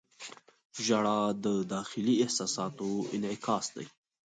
• ژړا د داخلي احساساتو انعکاس دی.